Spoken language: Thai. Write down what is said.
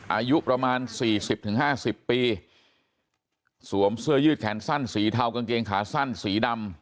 อายุประมาณ๔๐๕๐ปีสวมเสื้อยืดแขนสั้นสีเทากางเกงขาสั้นสีดำ